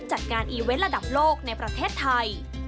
จัดการอีเวนต์ระดับโลกในประเทศไทย